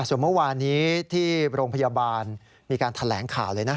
ส่วนเมื่อวานนี้ที่โรงพยาบาลมีการแถลงข่าวเลยนะ